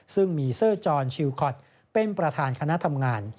ซึ่งมีเซอร์จรชิลคอตเป็นประธานคณะทำงาน